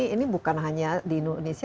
ini bukan hanya di indonesia